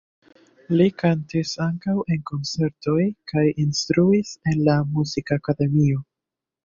Li kantis ankaŭ en koncertoj kaj instruis en la muzikakademio.